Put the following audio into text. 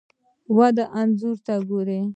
ودې انځور ته ګوره!